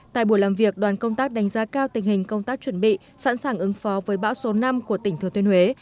tại buổi làm việc đoàn công tác đánh giá cao tình hình công tác chuẩn bị sẵn sàng ứng phó với bão số năm của tỉnh thừa tuyên huế